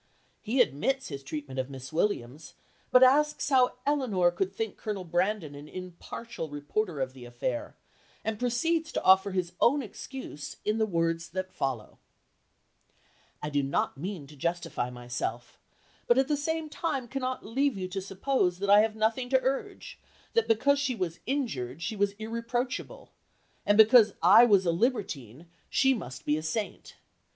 He admits his treatment of Miss Williams, but asks how Elinor could think Colonel Brandon an impartial reporter of the affair, and proceeds to offer his own excuse in the words that follow "I do not mean to justify myself, but at the same time cannot leave you to suppose that I have nothing to urge, that because she was injured, she was irreproachable, and because I was a libertine, she must be a saint.